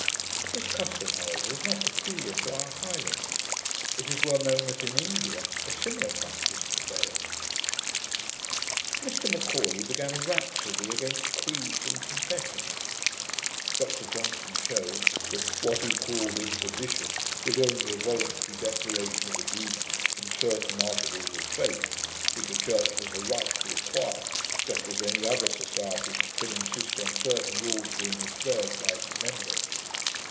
This custom, however, is not peculiar to our Highlands; it is well known that in India a similar practice prevails. Mr M'Aulay began a rhapsody against creeds and confessions. Dr Johnson shewed, that 'what he called "imposition", was only a voluntary declaration of agreement in certain articles of faith, which a church has a right to require, just as any other society can insist on certain rules being observed by its members.